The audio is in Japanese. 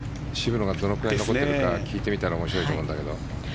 これ村口さんに渋野がどれくらい残っているか聞いてみたら面白いと思うんだけど。